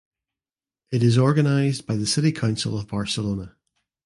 It is organized by the City Council of Barcelona.